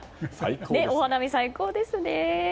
お花見、最高ですね。